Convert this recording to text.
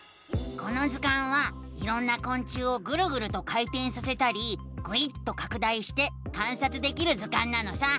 この図鑑はいろんなこん虫をぐるぐると回てんさせたりぐいっとかく大して観察できる図鑑なのさ！